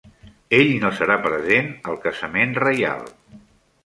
Ell no serà present al casament reial.